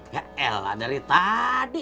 ya elah dari tadi